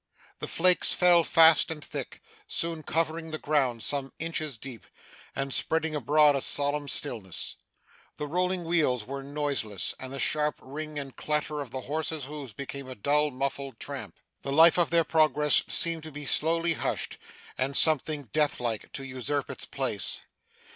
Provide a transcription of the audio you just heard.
The flakes fell fast and thick, soon covering the ground some inches deep, and spreading abroad a solemn stillness. The rolling wheels were noiseless, and the sharp ring and clatter of the horses' hoofs, became a dull, muffled tramp. The life of their progress seemed to be slowly hushed, and something death like to usurp its place.